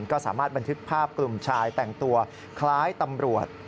ก็สามารถบันทึกภาพกลุ่มชายแต่งตัวคล้ายตำรวจ